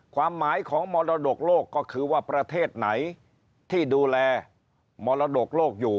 ความหมายของมรดกโลกก็คือว่าประเทศไหนที่ดูแลมรดกโลกอยู่